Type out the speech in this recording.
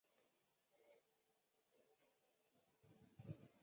窗税是英国政府在历史上曾向建筑物开凿窗户而征收的税项。